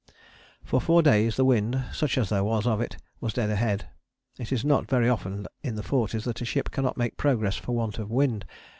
For four days the wind, such as there was of it, was dead ahead; it is not very often in the Forties that a ship cannot make progress for want of wind.